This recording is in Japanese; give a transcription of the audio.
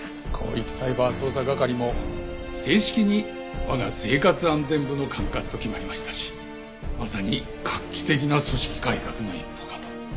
広域サイバー捜査係も正式に我が生活安全部の管轄と決まりましたしまさに画期的な組織改革の一歩かと。